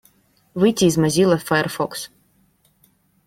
Выйти из Mozilla Firefox.